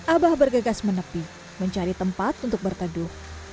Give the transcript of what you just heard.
abah bergegas menepi mencari tempat untuk berteduh